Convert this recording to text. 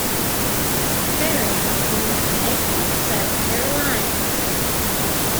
Perry was born in Aiken, South Carolina.